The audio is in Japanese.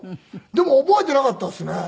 でも覚えていなかったですね。